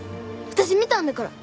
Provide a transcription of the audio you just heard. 私見たんだから。